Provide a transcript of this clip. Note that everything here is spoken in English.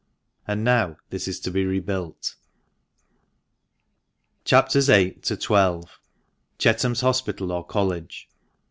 And now this is to be re built. CHAPS. VIII. to XII. — CHETHAM'S HOSPITAL OR COLLEGE.